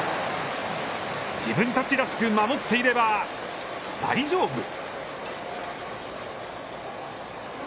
自分たちらしく守っていれば大丈夫。